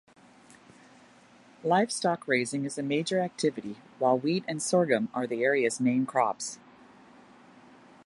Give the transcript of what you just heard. Livestock-raising is a major activity while wheat and sorghum are the area's main crops.